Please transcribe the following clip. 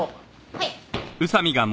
はい。